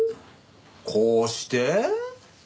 こうして？